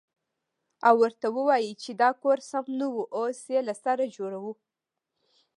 او ورته ووايې چې دا کور سم نه و اوس يې له سره جوړوه.